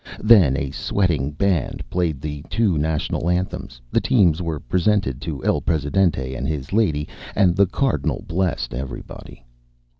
Then a sweating band played the two national anthems, the teams were presented to El Presi dente and his lady, and the Cardi nal blessed everybody.